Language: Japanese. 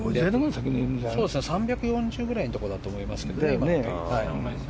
３４０くらいのところだと思いますけどね。